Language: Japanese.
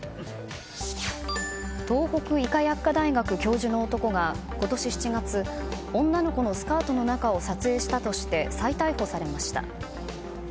東北医科薬科大学教授の男が今年７月、女の子のスカートの中を撮影したとして再逮捕されました。